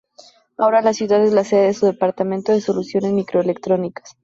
Ahora la ciudad es la sede de su departamento de soluciones microelectróniсas.